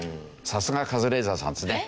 さすがカズレーザーさんですね。